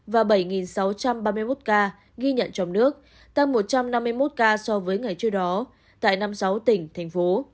và bảy sáu trăm ba mươi một ca ghi nhận trong nước tăng một trăm năm mươi một ca so với ngày trước đó tại năm mươi sáu tỉnh thành phố